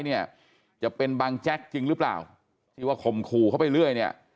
เนี่ยจะเป็นบังแจ๊กจริงหรือเปล่าที่ว่าข่มขู่เข้าไปเรื่อยเนี่ย